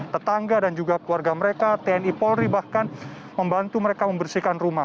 tetangga dan juga keluarga mereka tni polri bahkan membantu mereka membersihkan rumah